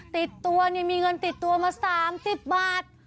ติดตัวมีเงินติดตัวมา๓๐บาท